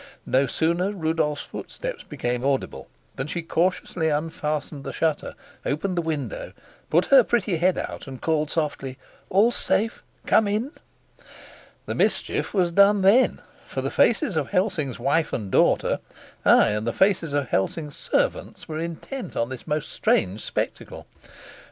No sooner did Rudolf's footsteps become audible than she cautiously unfastened the shutter, opened the window, put her pretty head out, and called softly: "All's safe! Come in!" The mischief was done then, for the faces of Helsing's wife and daughter, ay, and the faces of Helsing's servants, were intent on this most strange spectacle.